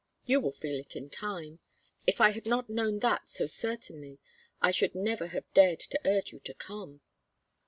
You will feel it in time. If I had not known that so certainly I should never have dared to urge you to come."